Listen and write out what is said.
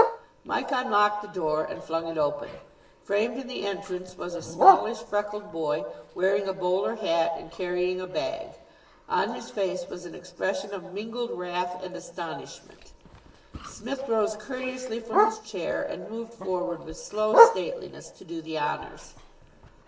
Mike unlocked the door, and flung it open. Framed in the entrance was a smallish, freckled boy, wearing a bowler hat and carrying a bag. On his face was an expression of mingled wrath and astonishment. Psmith rose courteously from his chair, and moved forward with slow stateliness to do the honours.